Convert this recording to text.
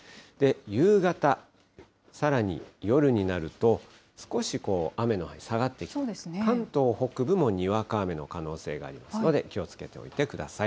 夕方、さらに夜になると、少し雨の範囲、下がってきて、関東北部もにわか雨の可能性がありますので、気をつけておいてください。